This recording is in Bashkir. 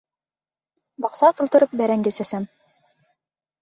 Баҡса тултырып бәрәңге сәсәм.